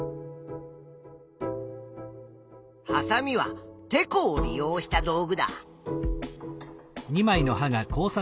はさみはてこを利用した道具だ。